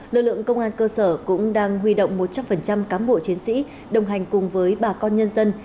lực lượng công an cơ sở cũng đang huy động một trăm linh cán bộ chiến sĩ đồng hành cùng với bà con nhân dân